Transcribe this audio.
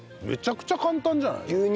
むちゃくちゃ簡単じゃない。